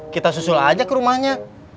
kita susul aja ke rumahnya